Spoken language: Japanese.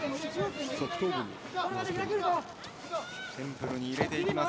テンプルに入れていきます。